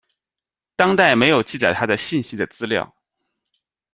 当代没有记载她的信息的资料。